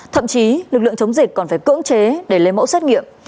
thậm chí lực lượng chống dịch còn phải cưỡng chế để lấy mẫu xét nghiệm